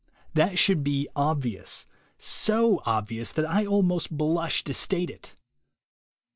That should be obvious, so obvious that I almost blush to state it.